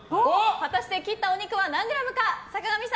果たして切ったお肉は何グラムか。